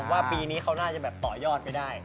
ว่าปีนี้เขาน่าจะแบบต่อยอดไปได้